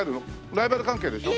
ライバル関係でしょ？